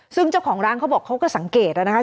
ซึ่งเจ้าของร้านเขาบอกเขาก็สังเกตนะคะ